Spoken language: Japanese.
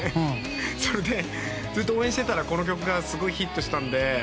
それでずっと応援していたらこの曲がすごくヒットしたので。